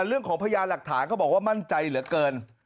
เรื่องของพญาหลักฐานเขาบอกว่ามั่นใจเหลือเกิน